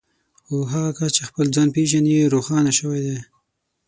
خو هغه کس چې خپل ځان پېژني روښانه شوی دی.